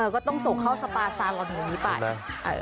ก็ต้องส่งเข้าสปาซาลอนแห่งนี้ไป